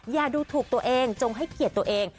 อย่าดูถูกตัวเองจงให้เกียรติตัวเอง